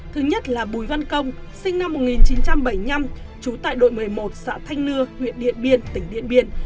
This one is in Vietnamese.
thứ nhất là bùi văn công sinh năm một nghìn chín trăm bảy mươi năm trú tại đội một mươi một xã thanh nưa huyện điện biên tỉnh điện biên